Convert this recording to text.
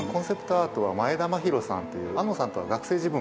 アートは前田真宏さんという庵野さんとは。